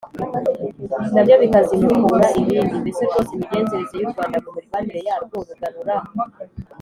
nabyo bikazimukura ibindi. mbese rwose imigenzereze y’u rwanda mu mirwanire yarwo rugarura